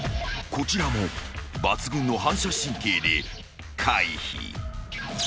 ［こちらも抜群の反射神経で回避］